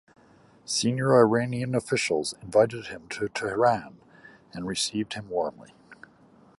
Senior Iranian officials invited him to Tehran and received him warmly.